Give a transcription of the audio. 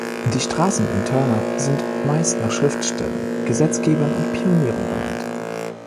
Die Straßen in Turner sind meist nach Schriftstellern, Gesetzgebern und Pionieren benannt.